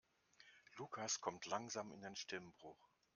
Lukas kommt langsam in den Stimmbruch.